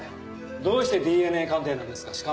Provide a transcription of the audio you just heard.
どうしてＤＮＡ鑑定なんですか？